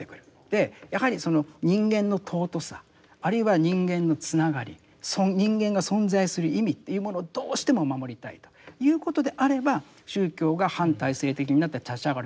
でやはりその人間の尊さあるいは人間のつながり人間が存在する意味というものをどうしても守りたいということであれば宗教が反体制的になって立ち上がるということはある。